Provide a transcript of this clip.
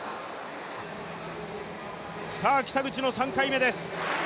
北口の３回目です。